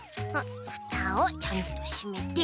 ふたをちゃんとしめて。